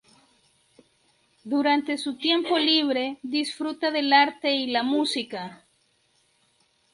Durante su tiempo libre disfruta del arte y la música.